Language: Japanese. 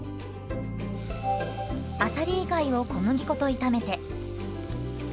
あさり以外を小麦粉と炒めて。